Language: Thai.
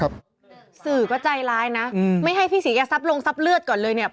ครับสื่อก็ใจร้ายนะไม่ให้พี่สีอย่าซับลงซับเลือดก่อนเลยนะ